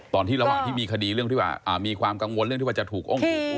ระหว่างที่มีคดีเรื่องที่ว่ามีความกังวลเรื่องที่ว่าจะถูกอ้งถูก